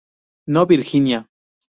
No, Virginia...